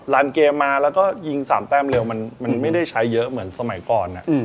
ันเกมมาแล้วก็ยิง๓แต้มเร็วมันไม่ได้ใช้เยอะเหมือนสมัยก่อน